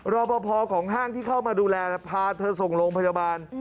รอปภของห้างที่เข้ามาดูแลพาเธอส่งโรงพยาบาล